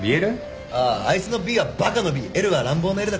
あああいつのＢはバカのＢＬは乱暴のＬだから。